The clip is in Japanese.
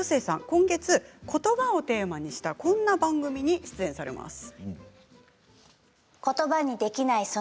今月ことばをテーマにしたこんな番組に出演されます。